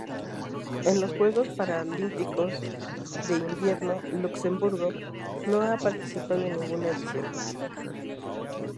En los Juegos Paralímpicos de Invierno Luxemburgo no ha participado en ninguna edición.